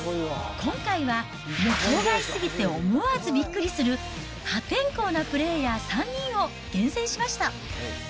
今回は予想外すぎて思わずびっくりする、破天荒なプレーヤー３人を厳選しました。